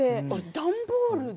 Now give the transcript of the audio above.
段ボールで？